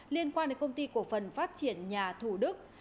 liên quan đến công ty cổ phần phát triển nhà thủ đức